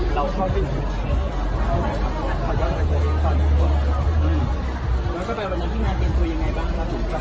นัดก็คงไม่รู้ไม่เข้าใจกับของก็ได้คือยิ่งต่อล่ะครับ